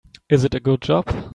Is it a good job?